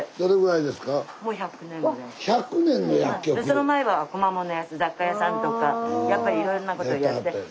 その前は小間物屋雑貨屋さんとかやっぱりいろんなことやって誰が？